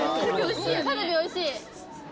カルビおいしいよね。